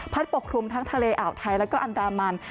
พัดปกครุมทั้งทะเลอาวไทยและอันดามัน